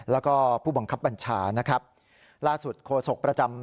แล้วก็ผู้บังคับบัญชานะครับล่าสุดโฆษกประจำ